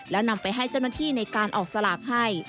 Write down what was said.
แล้วนำไปให้เจ้าหน้าที่ในการออกสลากให้